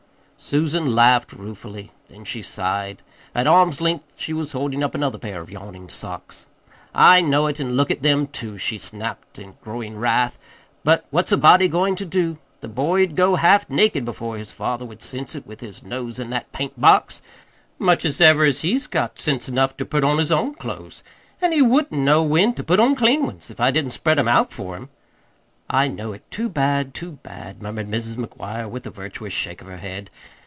Susan laughed ruefully. Then she sighed: at arms' length she was holding up another pair of yawning socks. "I know it. And look at them, too," she snapped, in growing wrath. "But what's a body goin' to do? The boy'd go half naked before his father would sense it, with his nose in that paint box. Much as ever as he's got sense enough ter put on his own clothes and he WOULDN'T know WHEN ter put on CLEAN ones, if I didn't spread 'em out for him!" "I know it. Too bad, too bad," murmured Mrs. McGuire, with a virtuous shake of her head.